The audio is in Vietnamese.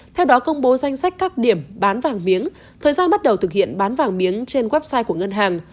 theo đó công bố danh sách các điểm bán vàng miếng thời gian bắt đầu thực hiện bán vàng miếng trên website của ngân hàng